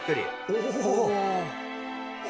お！